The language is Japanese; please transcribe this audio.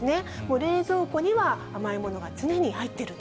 冷蔵庫には甘いものが常に入っていると。